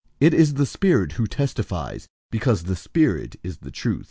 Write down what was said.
It is the Spirit who testifies, because the Spirit is the truth.